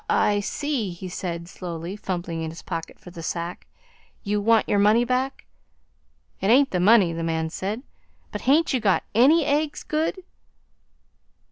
"I see," he said slowly, fumbling in his pocket for the sack. "You want your money back." "It ain't the money," the man said, "but hain't you got any eggs good?"